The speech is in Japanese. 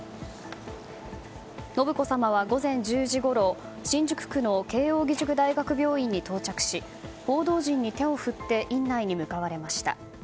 信子さまは、午前１０時ごろ新宿区の慶應義塾大学病院に到着し報道陣に手を振って院内に向かわれました。